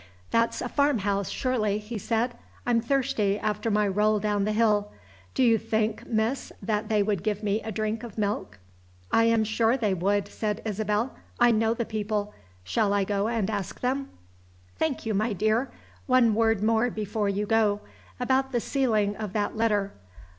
"That's a farmhouse, surely?" he said. "I'm thirsty after my roll down the hill. Do you think, Miss, they would give me a drink of milk?" "I am sure they would," said Isabel. "I know the people. Shall I go and ask them?" "Thank you, my dear. One word more before you go. About the sealing of that letter?